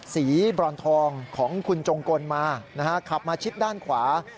บรอนทองของคุณจงกลมาขับมาชิดด้านขวา